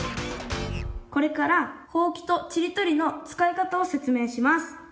これからほうきとちりとりの使い方を説明します。